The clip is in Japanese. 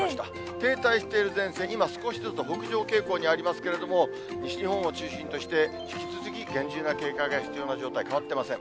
停滞している前線、今、少しずつ北上傾向にありますけれども、西日本を中心として、引き続き、厳重な警戒が必要な状態、変わってません。